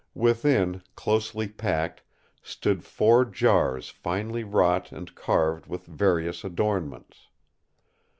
Within, closely packed, stood four jars finely wrought and carved with various adornments.